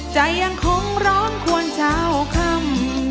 ใจยังคงร้อนควรเช้าค่ำ